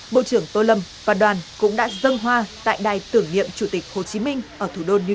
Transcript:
bộ trưởng tô lâm và đoàn cũng đã dâng hoa tại đài tưởng niệm chủ tịch hồ chí minh ở thủ đô new y